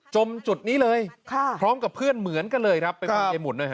จมจุดนี้เลยค่ะพร้อมกับเพื่อนเหมือนกันเลยครับครับเป็นของเย้หมุนนะฮะ